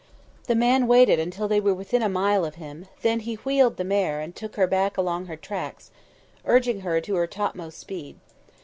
The man waited until they were within a mile of him; then he wheeled the mare and took her back along her tracks, urging her to her topmost speed.